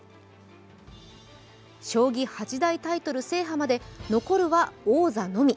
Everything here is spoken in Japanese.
将棋八大タイトル制覇まで残るは王座のみ。